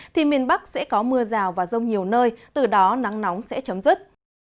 thì miền bắc sẽ có mưa rào và rông nhiều nơi từ đó nắng nóng sẽ chấm dứt